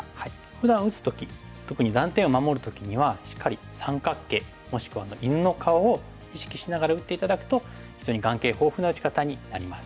ふだん打つ時特に断点を守る時にはしっかり三角形もしくは犬の顔を意識しながら打って頂くと非常に眼形豊富な打ち方になります。